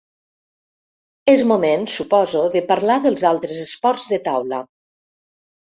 És moment, suposo, de parlar dels altres esports de taula.